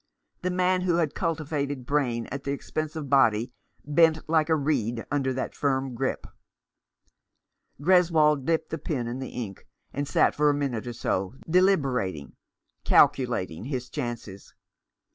The man who had cultivated brain at the expense of body bent like a reed under that firm grip Greswold dipped the pen in the ink, and sat for a minute or so, deliberating — calculating his chances.